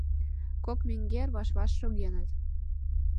Кок менгер ваш-ваш шогеныт.